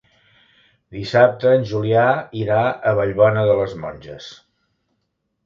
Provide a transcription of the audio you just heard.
Dissabte en Julià irà a Vallbona de les Monges.